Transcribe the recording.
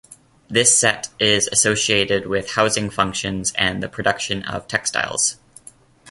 This set is associated with housing functions and the production of textiles.